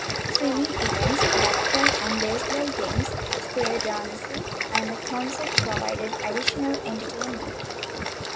Swimming events, lacrosse and baseball games, square dancing, and a concert provided additional entertainment.